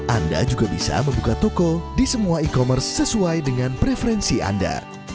anda juga bisa membuka toko di semua e commerce sesuai dengan preferensi anda